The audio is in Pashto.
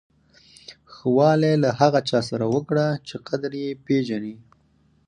ښه والی له هغه چا سره وکړه چې قدر یې پیژني.